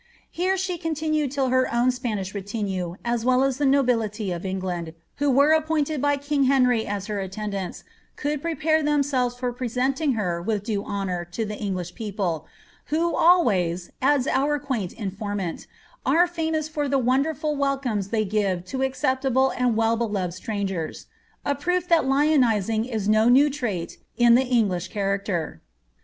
Here she continued till her own Spanish retinue, as well as the nobility of England, who were appointed by king Henry as her attendants, could prepare themselves for present ing her with due honour to the English people, ^ who always," adds our quaint informant, ^ are famous for the wondeiiul welcomes they give to acceptable and well beloved strangers," a proof that lionising is no new trait in the English character.